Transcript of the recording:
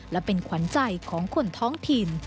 และเป็นขวัญใจของคนท้องถิ่น